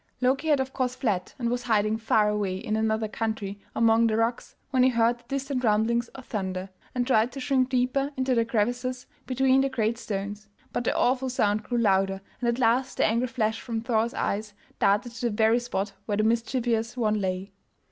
Loki had of course fled and was hiding far away in another country among the rocks when he heard the distant rumblings of thunder, and tried to shrink deeper into the crevices between the great stones, but the awful sound grew louder, and at last the angry flash from Thor's eyes darted to the very spot where the mischievous one lay.